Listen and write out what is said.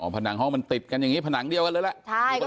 ผนังห้องมันติดกันอย่างนี้ผนังเดียวกันเลยแหละ